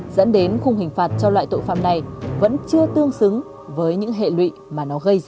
dẫn đến khung hình phạt cho loại tội phạm này vẫn chưa tương xứng với những hệ lụy mà nó gây ra